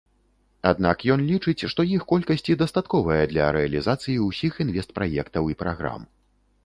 Аднак ён лічыць, што іх колькасці дастатковая для рэалізацыі ўсіх інвестпраектаў і праграм.